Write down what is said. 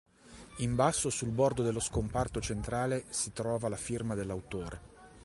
In basso, sul bordo dello scomparto centrale, si trova la firma dell'autore.